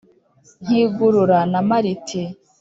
Nkigurura na Mariti;